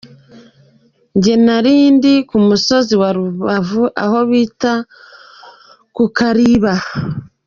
Njye narindi ku musozi wa Rubavu aho bita ku Kariba.